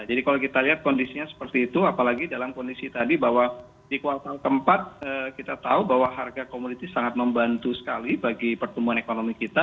jadi kalau kita lihat kondisinya seperti itu apalagi dalam kondisi tadi bahwa di kuartal keempat kita tahu bahwa harga komoditi sangat membantu sekali bagi pertumbuhan ekonomi kita